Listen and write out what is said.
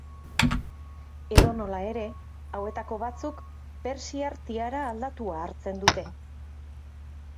Edonola ere, hauetako batzuk, persiar tiara aldatua hartzen dute.